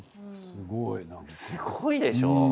すごいでしょ？